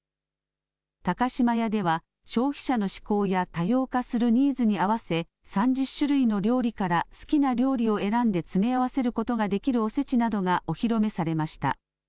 高島屋では、消費者の志向や多様化するニーズに合わせ３０種類の料理から好きな料理を選んで詰め合わせることができるおせちなどがお披露目されました。